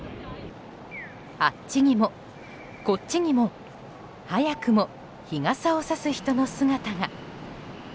あっちにも、こっちにも早くも日傘をさす人の姿が。